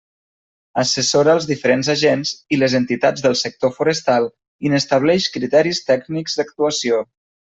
Assessora els diferents agents i les entitats del sector forestal i n'estableix criteris tècnics d'actuació.